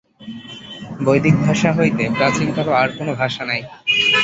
বৈদিক ভাষা হইতে প্রাচীনতর আর কোন ভাষা নাই।